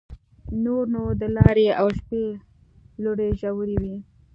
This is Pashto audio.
نور نو د لارې او شپې لوړې ژورې وې.